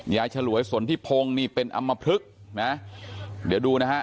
ฉลวยสนทิพงศ์นี่เป็นอำมพลึกนะเดี๋ยวดูนะฮะ